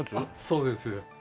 そうです。